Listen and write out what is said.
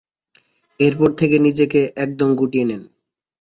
এর পর থেকে নিজেকে একদম গুটিয়ে নেন।